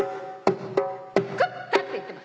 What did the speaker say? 「食った」って言ってます。